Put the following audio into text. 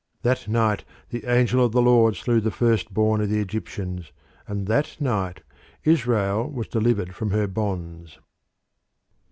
That night the angel of the Lord slew the first born of the Egyptians, and that night Israel was delivered from her bonds.